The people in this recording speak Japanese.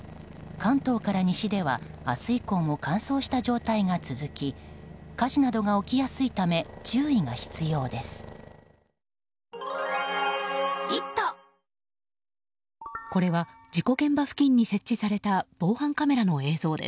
関東から西では明日以降も乾燥した状態が続き火事などが起きやすいため注意が必要です。